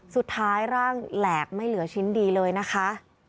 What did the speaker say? ร่างแหลกไม่เหลือชิ้นดีเลยนะคะ